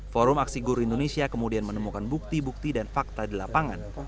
forum aksi guru indonesia kemudian menemukan bukti bukti dan fakta di lapangan